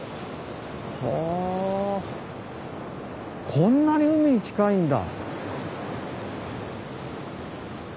こんなに海に近いんだ。